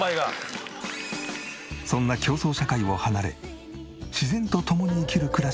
そんな競争社会を離れ自然と共に生きる暮らし